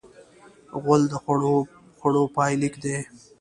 غول د خوړو پای لیک دی.